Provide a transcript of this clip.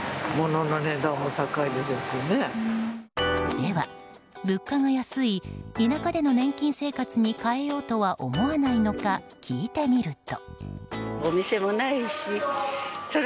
では、物価が安い田舎での年金生活に変えようとは思わないのか聞いてみると。